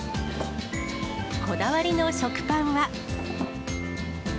こだわりの食パンは。